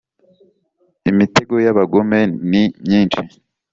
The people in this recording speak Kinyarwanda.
imitego y’abagome ni myinshi